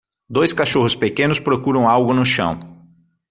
Dois cachorros pequenos procuram algo no chão